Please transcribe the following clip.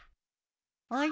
あれ？